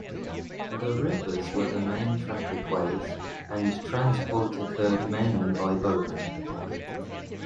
The rivers were the main traffic ways and transport occurred mainly by boat.